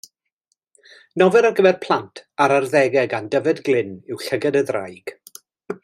Nofel ar gyfer plant a'r arddegau gan Dyfed Glyn yw Llygad y Ddraig.